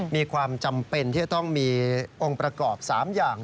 มีความจำเป็นที่จะต้องมีองค์ประกอบ๓อย่าง